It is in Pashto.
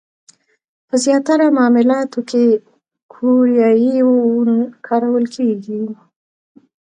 په زیاتره معاملاتو کې کوریايي وون کارول کېږي.